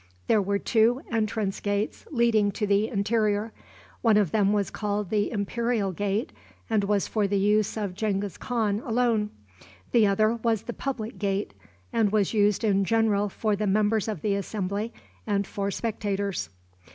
There were two entrance gates leading to the interior. One of them was called the imperial gate, and was for the use of Genghis Khan alone. The other was the public gate, and was used in general for the members of the assembly and for spectators.